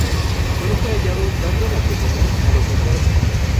Él fue hallado dando la comunión a los enfermos.